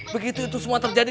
begitu itu semua terjadi